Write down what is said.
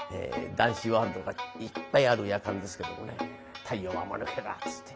談志ワールドがいっぱいある「やかん」ですけどもね「太陽はまぬけだ」つって。